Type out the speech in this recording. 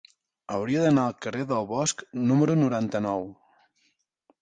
Hauria d'anar al carrer del Bosc número noranta-nou.